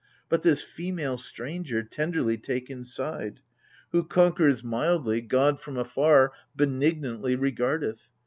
But this female stranger Tenderly take inside ! Who conquers mildly 78 AGAMEMNON. God, from afar, benignantly regardeth.